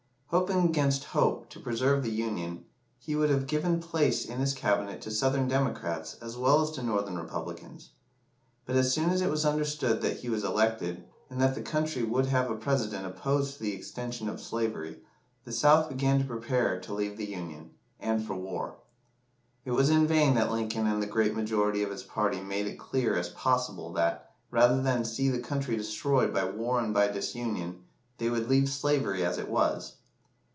Hoping against hope to preserve the Union, he would have given place in his Cabinet to Southern Democrats as well as to Northern Republicans. But as soon as it was understood that he was elected, and that the country would have a President opposed to the extension of slavery, the South began to prepare to leave the Union, and for war. It was in vain that Lincoln and the great majority of his party made it clear as possible that, rather than see the country destroyed by war and by disunion, they would leave slavery as it was.